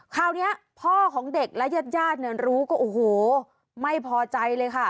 คราวนี้พ่อของเด็กและญาติญาติเนี่ยรู้ก็โอ้โหไม่พอใจเลยค่ะ